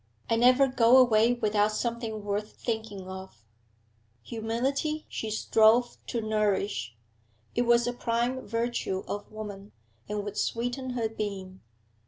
'I never go away without something worth thinking of.' Humility she strove to nourish. It was a prime virtue of woman, and 'would sweeten her being.